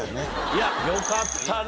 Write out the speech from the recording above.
いやよかったな。